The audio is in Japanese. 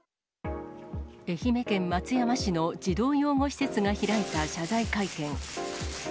愛媛県松山市の児童養護施設が開いた謝罪会見。